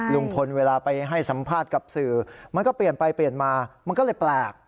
ลุงพลเวลาไปให้สัมภาษณ์กับสื่อมันก็เปลี่ยนไปเปลี่ยนมามันก็เลยแปลก